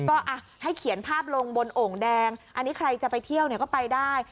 ก็ให้เขียนภาพลงบนโอ่งแดงอันนี้ใครจะไปเที่ยวเนี่ยก็ไปได้